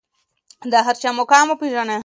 د هر چا مقام وپیژنئ.